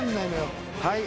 はい。